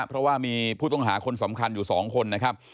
เพราะว่ามีผู้ต้องหาคนสำคัญอยู่๒คนนะครับ